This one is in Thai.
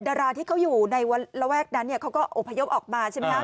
ดาราที่เขาอยู่ในระแวกนั้นเขาก็อบพยพออกมาใช่ไหมครับ